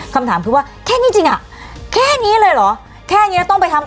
คำถามคือว่าแค่นี้จริงอ่ะแค่นี้เลยเหรอแค่เนี้ยต้องไปทำ